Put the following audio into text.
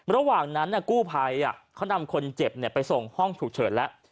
ระหว่างนั้นกู้ภัยเขานำคนเจ็บไปส่งห้องฉุกเฉินแล้ว